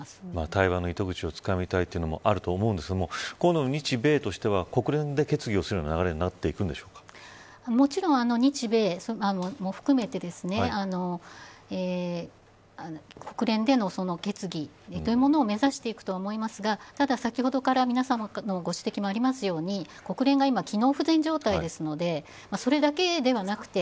対話の糸口をつかみたいというのもあると思うんですが今後、日米としては国連で決議をするような流れにもちろん日米も含めて国連での決議というものを目指していくとは思いますがただ先ほどから皆さまのご指摘もありますように国連が今、機能不全状態ですのでそれだけではなくて